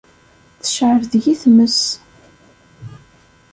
Tecɛel deg-i tmes.